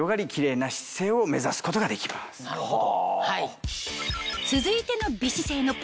なるほど。